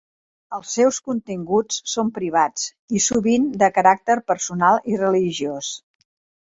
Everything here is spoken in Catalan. Els seus continguts són privats, i sovint de caràcter personal i religiós.